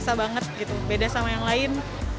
rasa banget gitu beda sama yang lain